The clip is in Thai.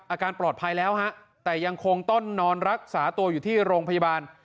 อาการปลอดภัยแล้วฮะแต่ยังคงต้องนอนรักษาตัวอยู่ที่โรงพยาบาล